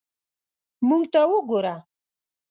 موږ ته وګوره.